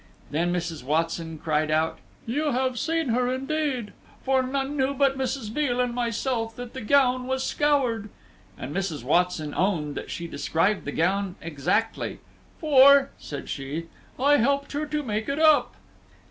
Then Mrs. Watson cried out, "You have seen her indeed, for none knew but Mrs. Veal and myself that the gown was scoured." And Mrs. Watson owned that she described the gown exactly; "for," said she, "I helped her to make it up."